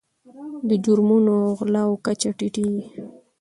د جرمونو او غلاو کچه ټیټیږي.